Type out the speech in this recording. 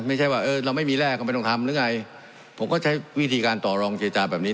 ไม่ใช่ว่าเออเราไม่มีแร่ก็ไม่ต้องทำหรือไงผมก็ใช้วิธีการต่อรองเจจาแบบนี้